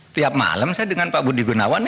tiap malam saya dengan pak budi gunawan